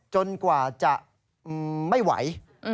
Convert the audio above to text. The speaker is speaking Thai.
จนกว่าจะไม่ไหว